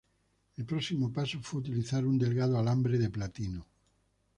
El próximo paso fue utilizar un delgado alambre de platino.